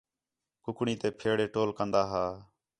کُکڑیں تے پھیڑے ٹول کندا ہا